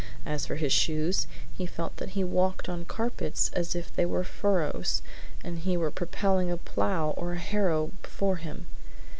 As for his shoes, he felt that he walked on carpets as if they were furrows and he were propelling a plow or a harrow before him.